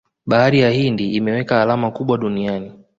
bahari ya hindi imeweka alama kubwa duniani